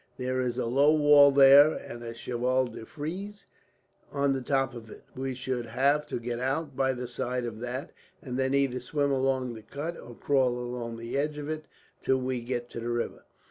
There is a low wall there, and a cheval de frise on the top of it. We should have to get out by the side of that, and then either swim along the cut, or crawl along the edge of it till we get to the river.